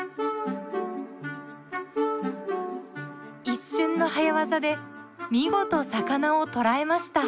一瞬の早業で見事魚を捕らえました。